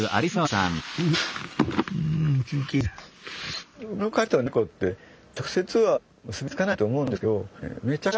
もの書きと猫って直接は結び付かないと思うんですけど何かね